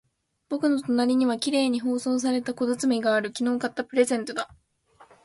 僕の隣には綺麗に包装された小包がある。昨日買ったプレゼントだ。